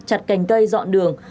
chặt cành cây dọn đường